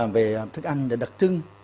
về thức ăn đặc trưng